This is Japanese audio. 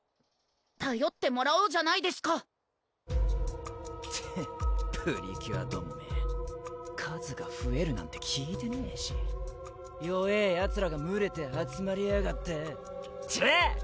たよってもらおうじゃないですかチップリキュアどもめ数がふえるなんて聞いてねぇし弱ぇヤツらがむれて集まりやがってちれ！